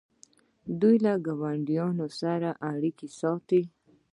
دوی له ګاونډیانو سره اړیکې ساتي.